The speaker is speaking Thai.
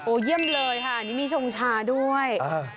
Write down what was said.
โอ้ยมเลยครับมีชมชาด้วย